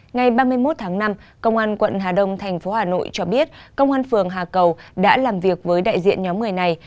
ngày ba mươi một tháng năm công an quận hà đông thành phố hà nội cho biết công an phường hà cầu đã làm việc với đại diện nhóm người này